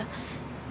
tapi kak fadil